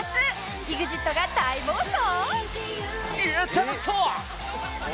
ＥＸＩＴ が大暴走！？